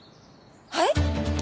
はい！？